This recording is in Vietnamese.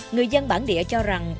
người dân bản địa cho rằng